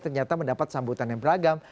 ternyata mendapat sambutan yang beragam